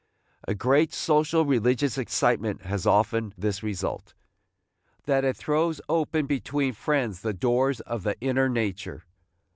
A great social, religious excitement has often this result, that it throws open between friends the doors of the inner nature.